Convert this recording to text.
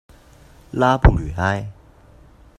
拉布吕埃。